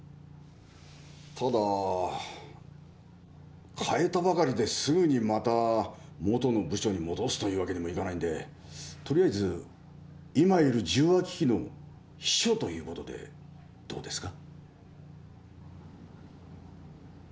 ただ変えたばかりですぐにまた元の部署に戻すというわけにもいかないんでとりあえず今いる十和機器の秘書ということでどうですか？